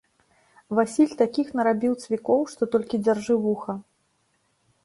Васіль такіх нарабіў цвікоў, што толькі дзяржы вуха.